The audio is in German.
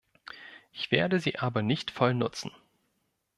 Ich werde sie aber nicht voll nutzen.